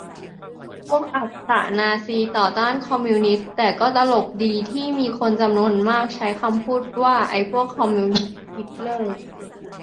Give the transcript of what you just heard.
พวกอักษะ-นาซี ต่อต้าน คอมมิวนิสต์ แต่ก็ตลกดี ที่มีคนจำนวนมากใช้คำพูดว่า "ไอ้พวกคอมมิวนิสต์-ฮิตเลอร์"